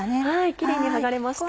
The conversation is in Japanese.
キレイに剥がれました。